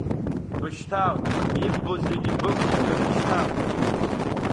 Бышьҭал, иббо зегьы бықәыжьны бышьҭал!